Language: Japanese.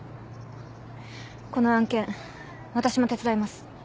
この案件私も手伝います。